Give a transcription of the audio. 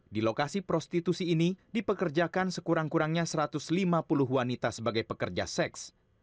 di lokasi prostitusi ini dipekerjakan sekurang kurangnya satu ratus lima puluh wanita sebagai pekerja seks